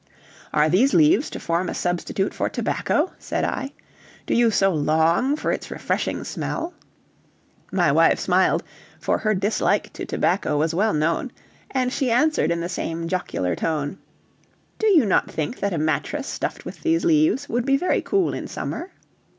"Are these leaves to form a substitute for tobacco?" said I; "do you so long for its refreshing smell?" My wife smiled, for her dislike to tobacco was well known, and she answered in the same jocular tone: "Do you not think that a mattress stuffed with these leaves would be very cool in summer?"